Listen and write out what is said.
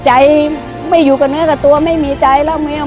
ใจไม่อยู่กับเนื้อกับตัวไม่มีใจแล้วแมว